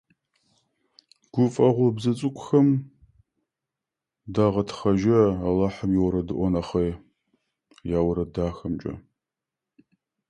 Веселые птицы заполнили воздух своими песнями, словно хор ангелов.